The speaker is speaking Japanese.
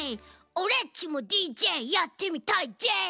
オレっちもＤＪやってみたいじぇ！